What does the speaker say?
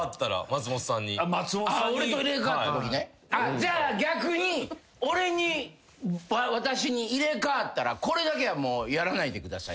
じゃあ逆に俺に私に入れ替わったらこれだけはやらないでください。